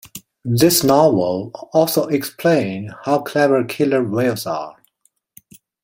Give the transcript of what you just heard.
This novel also explain how clever killer whales are.